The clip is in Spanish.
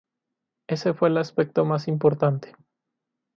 Ese fue el aspecto más importante".